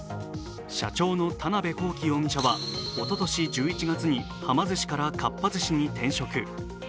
社長の田辺公己容疑者はおととし１１月にはま寿司からかっぱ寿司に転職。